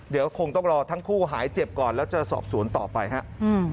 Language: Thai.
เดี๋ยวคงต้องรอทั้งคู่หายเจ็บก่อนแล้วจะสอบสวนต่อไปครับ